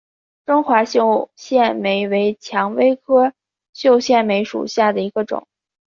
中华绣线梅为蔷薇科绣线梅属下的一个种。